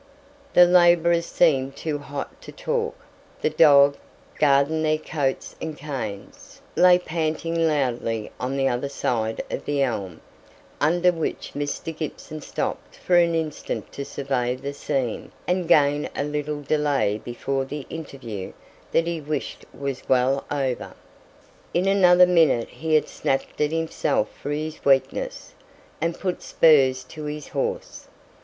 The labourers seemed too hot to talk; the dog, guarding their coats and cans, lay panting loudly on the other side of the elm, under which Mr. Gibson stopped for an instant to survey the scene, and gain a little delay before the interview that he wished was well over. In another minute he had snapped at himself for his weakness, and put spurs to his horse.